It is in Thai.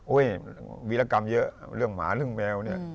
วีรกรรมเยอะเรื่องหมาเรื่องแมวเนี่ย